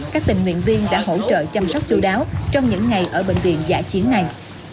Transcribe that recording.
các tình nguyện viên đã hỗ trợ chăm sóc chú đáo trong những ngày ở bệnh viện giả chiến này